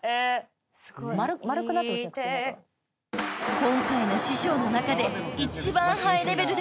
［今回の師匠の中で一番］